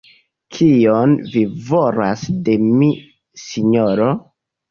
Kion vi volas de mi, sinjoro?